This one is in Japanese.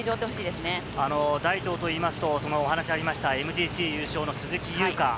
大東といいますと、お話がありましたＭＧＣ優勝の鈴木優花。